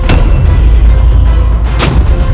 aku ingin menangkapmu